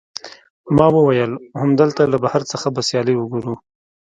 ما وویل، همدلته له بهر څخه به سیالۍ وګورو.